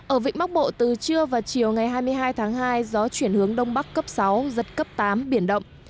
ở vịnh bắc bộ từ trưa và chiều ngày hai mươi hai tháng hai gió chuyển hướng đông bắc cấp sáu giật cấp tám biển động